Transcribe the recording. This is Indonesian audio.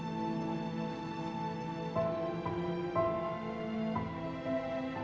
berhati besar untuk memahami hati kita